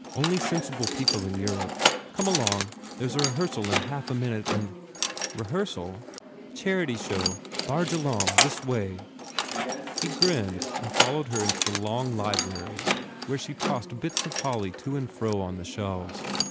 Only sensible people in Europe. Come along. There s a rehearsal in half a minute and "Rehearsal?" "Charity show. Barge along. This way." He grinned and followed her into the long library where she tossed bits of holly to and fro 115 THE FAIR REWARDS on the shelves.